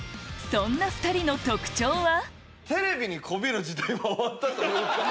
そんな２人の特徴は？